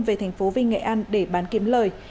về thành phố vinh nghệ an để bán kiếm lời